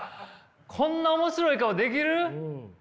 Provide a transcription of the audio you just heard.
こんな面白い顔できる？